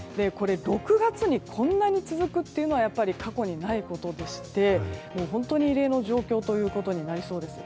６月にこんなに続くというのはやはり過去にないことでして本当に異例の状況となりそうです。